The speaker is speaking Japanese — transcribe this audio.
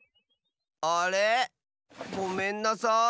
あれごめんなさい。